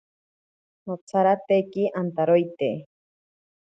Notsarateki antaroite.